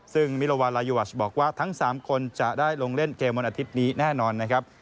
ซึ่งมิลวาลายวัชบอกว่าทั้ง๓คนจะได้ลงเล่นเกมวันอาทิตย์นี้แน่นอนนะครับ